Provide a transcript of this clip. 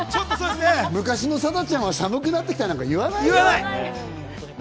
昔の貞ちゃんは寒くなってきたなんて言わないよ。